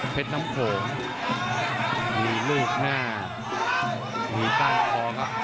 เพชรน้ำโขงหยีลูกหน้าหยีก้านคอครับ